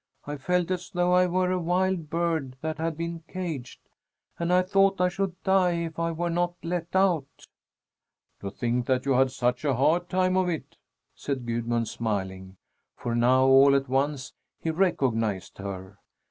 I felt as though I were a wild bird that had been caged, and I thought I should die if I were not let out." "To think that you had such a hard time of it!" said Gudmund smiling, for now, all at once, he recognized her.